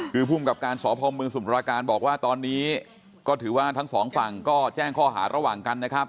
คือผู้อำนาจการณ์สพมสุมสารการณ์บอกว่าตอนนี้ก็ถือว่าทั้ง๒ฝั่งก็แจ้งคอหาระหว่างกันนะครับ